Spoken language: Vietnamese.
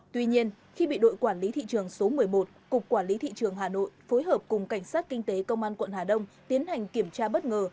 tuy nhiên khi bị đội quản lý thị trường số một mươi một cục quản lý thị trường hà nội phối hợp cùng cảnh sát kinh tế công an quận hà đông tiến hành kiểm tra bất ngờ